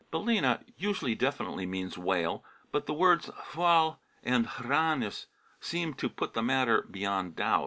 Batena usually definitely means whale. But the words " hwael " and " hranes " seem to put the matter beyond a doubt.